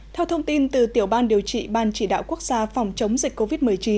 theo thông tin từ tiểu ban điều trị ban chỉ đạo quốc gia phòng chống dịch covid một mươi chín